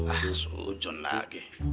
ah sujun lagi